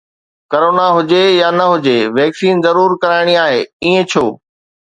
Corona هجي يا نه هجي، ويڪسين ضرور ڪرائڻي آهي، ائين ڇو؟